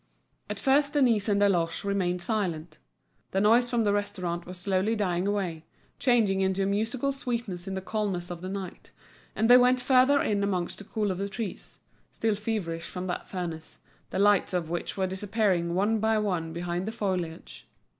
At first Denise and Deloche remained silent The noise from the restaurant was slowly dying away, changing into a musical sweetness in the calmness of the night; and they went further in amongst the cool of the trees, still feverish from that furnace, the lights of which were disappearing one by one behind the foliage.